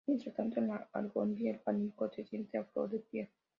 Mientras tanto en la Alhóndiga, el pánico se siente a flor de piel.